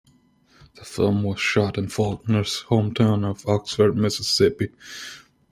The film was shot in Faulkner's home town of Oxford, Mississippi.